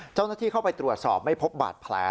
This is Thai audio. เจ้าหน้าที่เข้าไปตรวจสอบไม่พบบาดแผล